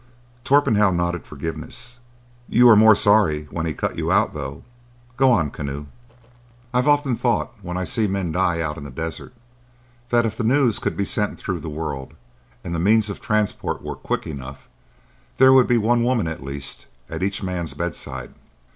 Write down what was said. Torpenhow nodded forgiveness: "You were more sorry when he cut you out, though.—Go on, Keneu." "I've often thought, when I've seen men die out in the desert, that if the news could be sent through the world, and the means of transport were quick enough, there would be one woman at least at each man's bedside."